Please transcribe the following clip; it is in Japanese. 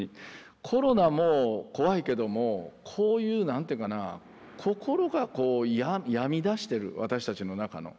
コロナも怖いけどもこういう何ていうかな心が病みだしてる私たちの中の。